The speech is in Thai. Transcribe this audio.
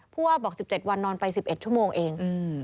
ว่าบอก๑๗วันนอนไป๑๑ชั่วโมงเอง